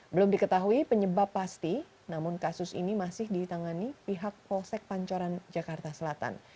belum diketahui penyebab pasti namun kasus ini masih ditangani pihak polsek pancoran jakarta selatan